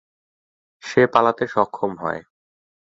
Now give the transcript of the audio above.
সে পালাতে সক্ষম হয়।